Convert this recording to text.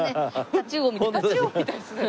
タチウオみたいですね。